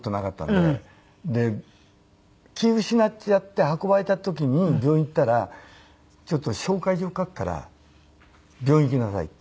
で気失っちゃって運ばれた時に病院行ったらちょっと紹介状書くから病院行きなさいって。